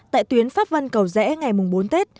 tại tuyến pháp văn cầu rẽ ngày mùng bốn tết